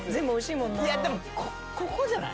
でもここじゃない？